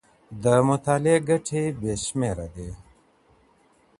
د مطالعې ګټې بې شمېره دي.